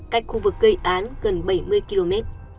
gây án gần bảy mươi km